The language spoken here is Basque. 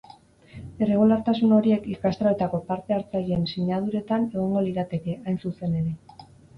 Irregulartasun horiek ikastaroetako parte-hartzaileen sinaduretan egongo lirateke, hain zuzen ere.